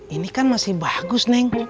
ini kan masih bagus